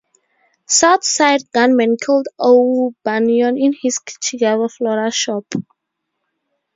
South Side gunmen killed O'Banion in his Chicago floral shop.